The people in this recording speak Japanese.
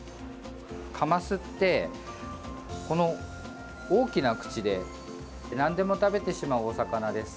カマスって、この大きな口でなんでも食べてしまうお魚です。